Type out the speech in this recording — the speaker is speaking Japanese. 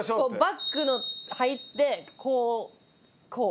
バックの入ってこうこう。